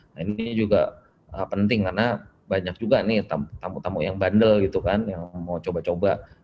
nah ini juga penting karena banyak juga nih tamu tamu yang bandel gitu kan yang mau coba coba